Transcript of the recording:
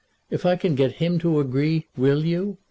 If I can get him to agree, will you?